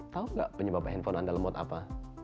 tahu nggak penyebab handphone anda lemot apa